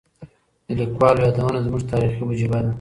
د لیکوالو یادونه زموږ تاریخي وجیبه ده.